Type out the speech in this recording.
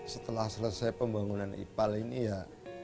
setelah selesai pembangunan ipal ini ya